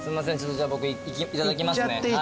じゃあ僕いただきますね。